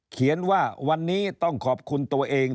เขียนว่าวันนี้ต้องขอบคุณตัวเอง